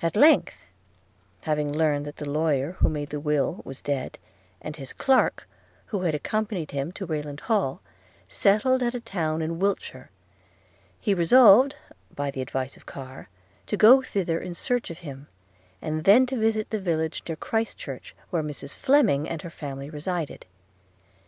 At length – having learned that the lawyer who made the will was dead, and his clerk who had accompanied him to Rayland Hall settled at a town in Wiltshire – he resolved, by the advice of Carr, to go thither in search of him, and then to visit the village near Christchurch, where Mrs Fleming and her family resided.